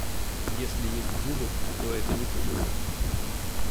Если есть зубы, то это не птица.